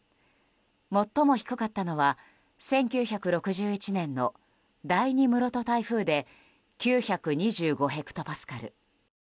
最も低かったのは１９６１年の第２室戸台風で９２５ヘクトパスカル。